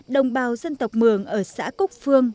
đồng bào dân tộc mường ở xã cốc phương